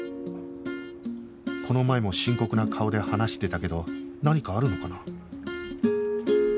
この前も深刻な顔で話してたけど何かあるのかな？